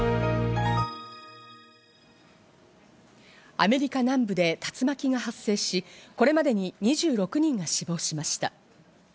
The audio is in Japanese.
アメリカ南部で竜巻が発生し、これまでに２６人が死亡しました。